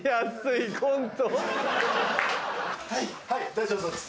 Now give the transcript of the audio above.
大丈夫そうです。